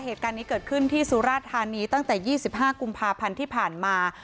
เหตุการณ์นี้เกิดขึ้นที่สุราธานีตั้งแต่๒๕กุมภาพันธ์ที่ผ่านมา